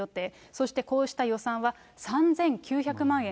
そしてこうした予算は３９００万円